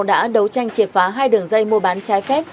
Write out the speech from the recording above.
đã đấu tranh triệt phá hai đường dây mua bán trái phép